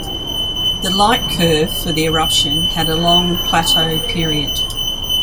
The light curve for the eruption had a long plateau period.